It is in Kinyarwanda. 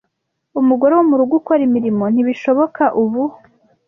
Umugore wo murugo ukora imirimo. Ntibishoboka ubu